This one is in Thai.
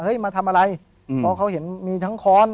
มาทำอะไรเพราะเขาเห็นมีทั้งค้อน